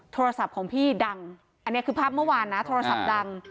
โทรศัพท์ของพี่ดังอันนี้คือภาพเมื่อวานนะโทรศัพท์ดัง